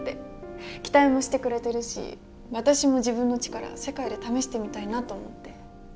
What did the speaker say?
期待もしてくれてるし私も自分の力世界で試してみたいなと思って。